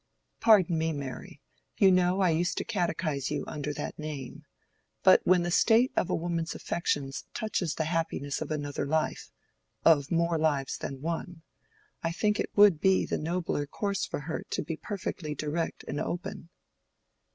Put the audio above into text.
Pardon me, Mary—you know I used to catechise you under that name—but when the state of a woman's affections touches the happiness of another life—of more lives than one—I think it would be the nobler course for her to be perfectly direct and open."